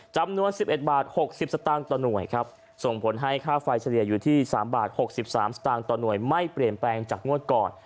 จำนวน๑๑บาท๖๐สตางค์ต่อหน่วยครับส่งผลให้ค่าไฟเฉลี่ยอยู่ที่๓บาท๖๓สตางค์ต่อหน่วยไม่เปลี่ยนแปลงจากงวดก่อน